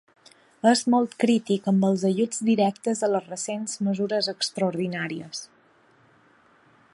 És molt crític amb els ajuts directes de les recents mesures extraordinàries.